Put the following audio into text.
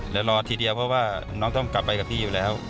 เดี๋ยวรอทีเดียวเพราะว่าน้องต้องกลับไปกับพี่อยู่แล้ว